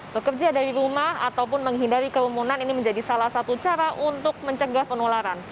bekerja dari rumah ataupun menghindari kerumunan ini menjadi salah satu cara untuk mencegah penularan